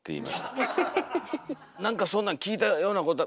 なんかそんなん聞いたようなこと。